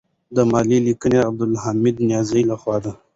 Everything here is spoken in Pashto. دا مالي لیکنه د عبدالحمید نیازی لخوا ده.